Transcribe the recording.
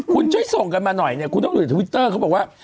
คุณช่วยส่งกันมาหน่อยเนี่ยคุณต้องดูในทวิตเตอร์เขาบอกว่า